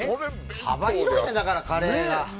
幅広いね、カレーは。